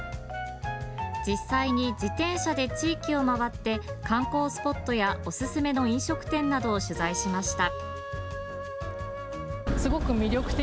実際に自転車で地域を回って観光スポットやおすすめの飲食店などを取材しました。